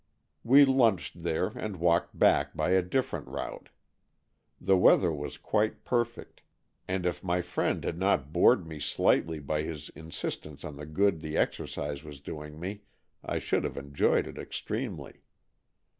We lunched there and walked back by a different route. The weather was quite perfect, and if my friend had not bored me slightly by his in sistence on the good the exercise was doing me, I should have enjoyed it extremely.